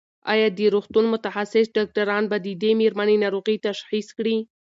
ایا د روغتون متخصص ډاکټران به د دې مېرمنې ناروغي تشخیص کړي؟